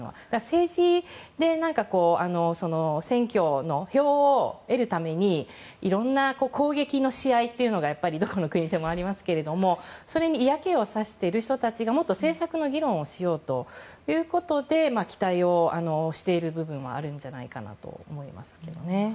政治で選挙の票を得るために、いろんな攻撃のやり合いというのがどこの国でもありますけどそれに嫌気がさしてる人たちがもっと政策の議論をしようということで期待をしている部分があるんだと思いますね。